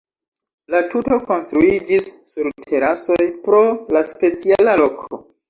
La tuto konstruiĝis sur terasoj, pro la speciala loko.